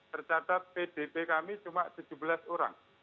tercatat pdp kami cuma tujuh belas orang